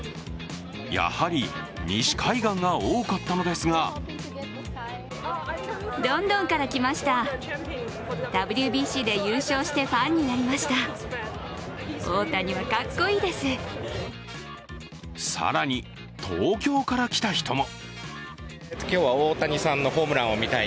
やはり西海岸が多かったのですが更に、東京から来た人も。